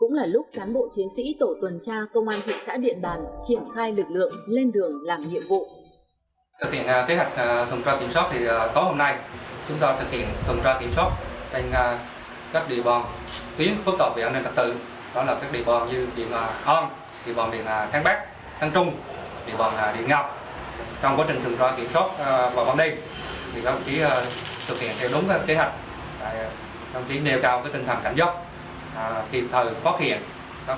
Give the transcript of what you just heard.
một mươi giờ đêm khi phố phường dần vắng móng người cũng là lúc cán bộ chiến sĩ tổ tuần tra công an thị xã điện bàn triển khai lực lượng lên đường